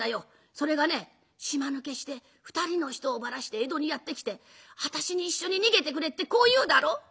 それがね島抜けして２人の人をばらして江戸にやって来て私に一緒に逃げてくれってこう言うだろ？